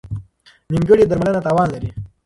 نیمګړې درملنه تاوان لري.